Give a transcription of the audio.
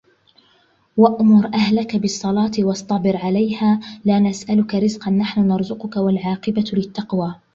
وَأْمُرْ أَهْلَكَ بِالصَّلَاةِ وَاصْطَبِرْ عَلَيْهَا لَا نَسْأَلُكَ رِزْقًا نَحْنُ نَرْزُقُكَ وَالْعَاقِبَةُ لِلتَّقْوَى